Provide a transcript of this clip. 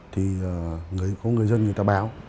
thì có người dân người ta báo